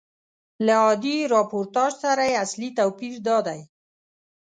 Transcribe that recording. له عادي راپورتاژ سره یې اصلي توپیر دادی.